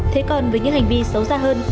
thế còn với những hành vi xấu da hơn